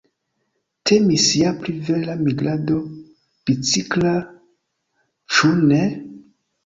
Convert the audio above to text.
Temis ja pri vera migrado bicikla, ĉu ne?